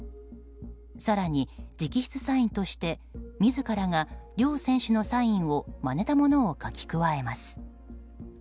更に、直筆サインとして自らが両選手のサインをまねたものを書き加えます。